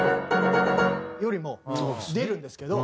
よりも出るんですけど。